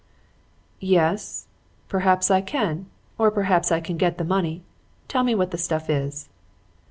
"'Yes, perhaps I can, or perhaps I can get the money. Tell me what the stuff is.'